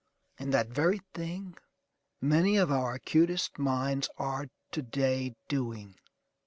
And that very thing many of our acutest minds are to day doing.